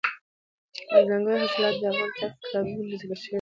دځنګل حاصلات د افغان تاریخ په کتابونو کې ذکر شوي دي.